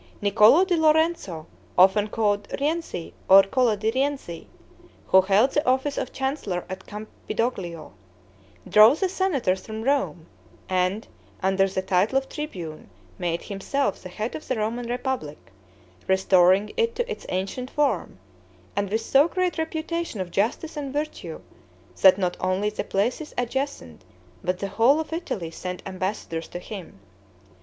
Niccolo di Lorenzo, often called Rienzi or Cola di Rienzi, who held the office of chancellor at Campidoglio, drove the senators from Rome and, under the title of tribune, made himself the head of the Roman republic; restoring it to its ancient form, and with so great reputation of justice and virtue, that not only the places adjacent, but the whole of Italy sent ambassadors to him.